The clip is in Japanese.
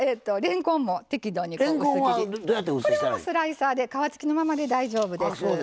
これはスライサーで皮付きのままで大丈夫です。